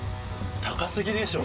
高過ぎでしょ。